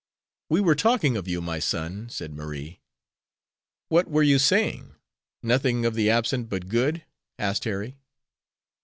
"We were talking of you, my son," said Marie. "What were you saying? Nothing of the absent but good?" asked Harry.